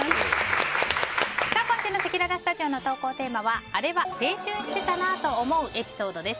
今週のせきららスタジオの投稿テーマはあれは青春してたなぁと思うエピソードです。